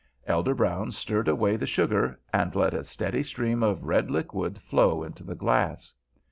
Elder Brown stirred away the sugar, and let a steady stream of red liquid flow into the glass.